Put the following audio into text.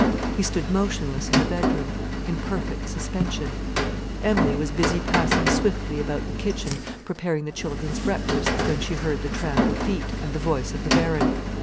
He stood motionless in the bedroom, in perfect suspension. Emilie was busy passing swiftly about the kitchen preparing the children's breakfasts when she heard the tramp of feet and the voice of the Baron.